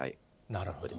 なるほど。